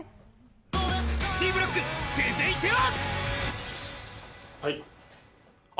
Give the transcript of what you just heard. Ｃブロック、続いては。